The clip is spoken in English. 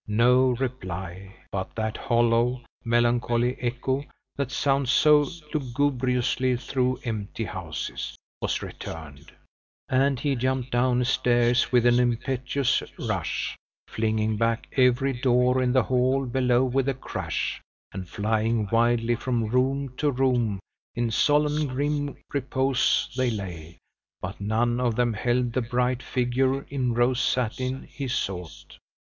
No reply, but that hollow, melancholy echo that sounds so lugubriously through empty houses, was returned; and he jumped down stairs with an impetuous rush, flinging back every door in the hall below with a crash, and flying wildly from room to room. In solemn grim repose they lay; but none of them held the bright figure in rose satin he sought.